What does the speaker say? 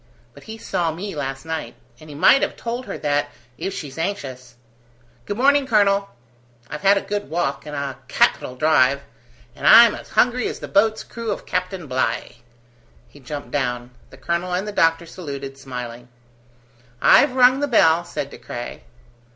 But he saw me last night, and he might have told her that, if she's anxious. Good morning, colonel. I've had a good walk, and a capital drive, and I'm as hungry as the boat's crew of Captain Bligh." He jumped down. The colonel and the doctor saluted, smiling. "I've rung the bell," said De Craye.